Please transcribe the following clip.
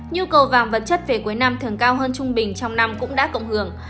nhu cầu vàng vật chất về cuối năm thường cao hơn trung bình trong năm cũng đã cộng hưởng